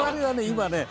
今ね